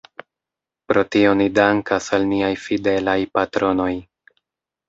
Pro tio ni dankas al niaj fidelaj patronoj.